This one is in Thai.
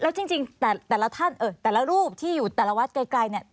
แล้วจริงแต่ละท่านแต่ละรูปที่อยู่แต่ละวัดไกลเนี่ย